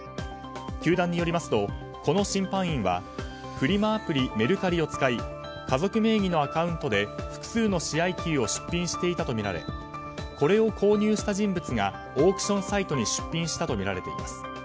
球団によりますとこの審判員はフリマアプリ、メルカリを使い家族名義のアカウントで複数の試合球を出品していたとみられこれを購入した人物がオークションサイトに出品したとみられています。